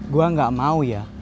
gue gak mau ya